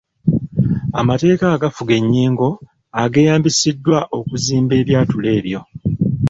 Amateeka agafuga ennyingo ageeyambisiddwa okuzimba ebyatulo ebyo.